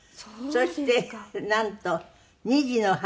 そしてなんと２児の母。